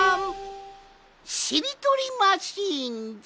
しりとりマシーンじゃ！